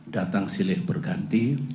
datang silih berganti